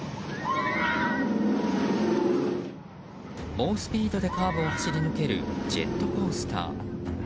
猛スピードでカーブを走り抜けるジェットコースター。